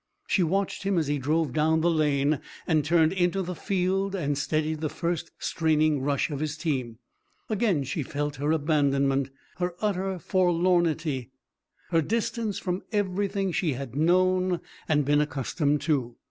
She watched him as he drove down the lane and turned into the field and steadied the first straining rush of his team. Again she felt her abandonment, her utter forlornity, her distance from everything she had known and been accustomed to.